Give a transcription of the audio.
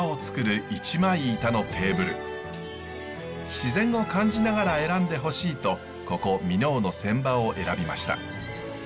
自然を感じながら選んでほしいとここ箕面の船場を選びました。